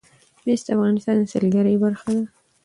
مس د افغانستان د سیلګرۍ برخه ده.